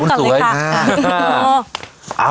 ขึ้นทำก่อนเลยค่ะ